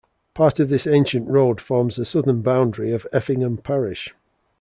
Part of this ancient road forms the southern boundary of Effingham parish.